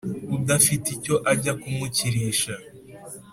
Udafite icyo ajya kumukirisha